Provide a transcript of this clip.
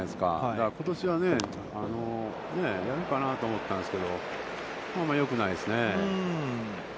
だから、ことしはね、やるかなと思ったんですけど、よくないですね。